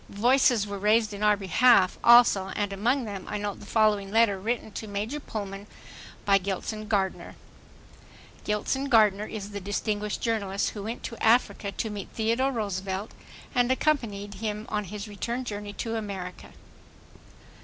Voices were raised in our behalf, also, and among them I note the following letter written to Major Pullman by Gilson Gardner: The distinguished journalist who went to Africa to meet Theodore Roosevelt and accompanied him on his return journey to America.